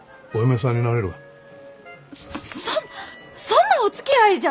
そそそんなおつきあいじゃあ！